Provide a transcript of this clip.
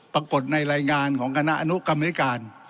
ปรากฏในรายงานของคณะอนุกรรมนิการ